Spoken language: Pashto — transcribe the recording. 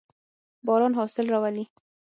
باران حاصل راولي.